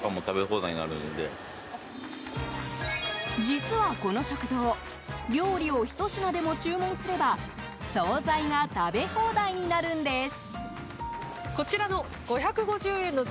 実はこの食堂料理をひと品でも注文すれば総菜が食べ放題になるんです。